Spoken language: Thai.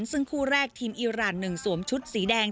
ซึ่งคู่แรกทีมอิราณ๑สวมชุดสีแดง